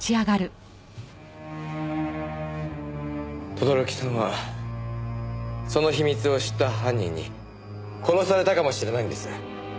轟さんはその秘密を知った犯人に殺されたかもしれないんです。